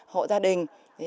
hộ gia đình